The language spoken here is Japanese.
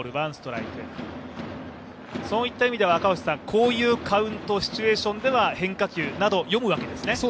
こういうカウント、シチュエーションでは、変化球などを読むわけですね？